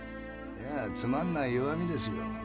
いやつまんない弱みですよ。